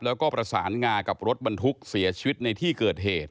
แล้วก็ประสานงากับรถบรรทุกเสียชีวิตในที่เกิดเหตุ